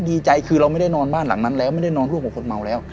ดีใจคือเราไม่ได้นอนบ้านหลังนั้นแล้วไม่ได้นอนร่วมกับคนเมาแล้ว